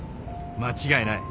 間違いない。